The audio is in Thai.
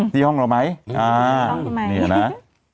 ที่ห้องเราไหมนี่นะ